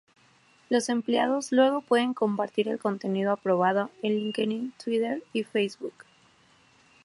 Los empleados luego pueden compartir el contenido aprobado en LinkedIn, Twitter y Facebook.